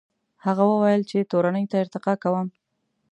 هغه وویل چې تورنۍ ته ارتقا کوم.